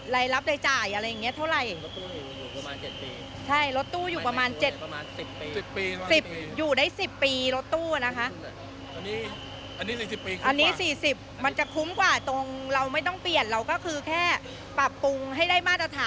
คัดซีมันยังอยู่แต่ถ้ารถตู้มันต้องเปลี่ยนเลย๑๐ปีต้องเปลี่ยนยกคันเลย